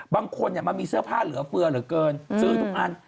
มันมีเสื้อผ้าเหลือเฟือเหลือเกินซื้อทุกอัน